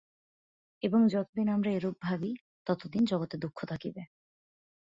এবং যতদিন আমরা এরূপ ভাবি, ততদিন জগতে দুঃখ থাকিবে।